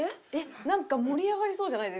なんか盛り上がりそうじゃないですか？